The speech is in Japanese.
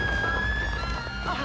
あっ！